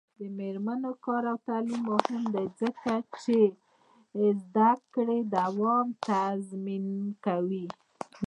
د میرمنو کار او تعلیم مهم دی ځکه چې زدکړو دوام تضمین کوي.